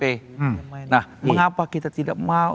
nah mengapa kita tidak mau